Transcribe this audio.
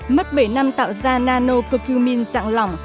mất bảy năm tạo ra nano coqmin dạng lỏng